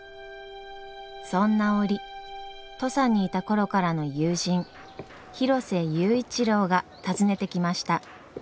そんな折土佐にいた頃からの友人広瀬佑一郎が訪ねてきました。